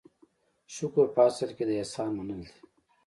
شکر په اصل کې د احسان منل دي.